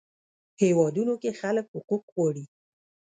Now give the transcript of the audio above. هیوادونو کې خلک حقوق غواړي.